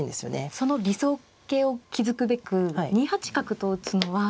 その理想型を築くべく２八角と打つのは。